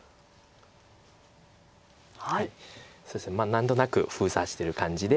何となく封鎖してる感じで。